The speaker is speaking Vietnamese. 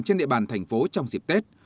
trên địa bàn thành phố trong dịp tết